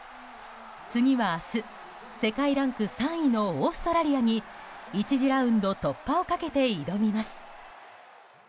次は明日、世界ランク３位のオーストラリアに１次ラウンド突破をかけて挑みます。